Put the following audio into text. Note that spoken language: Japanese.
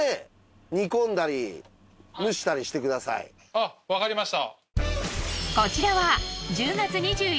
あっわかりました。